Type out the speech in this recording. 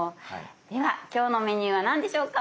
では今日のメニューは何でしょうか？